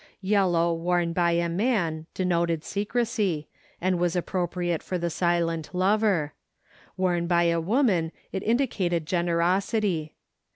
Yellow worn by a man denoted secrecy, and was appropriate for the silent lover; worn by a woman it indicated generosity.